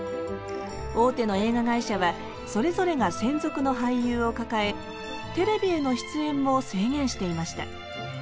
大手の映画会社はそれぞれが専属の俳優を抱えテレビへの出演も制限していました。